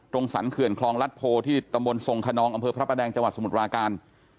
สรรเขื่อนคลองรัฐโพที่ตำบลทรงขนองอำเภอพระประแดงจังหวัดสมุทรปราการ